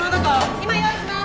・今用意します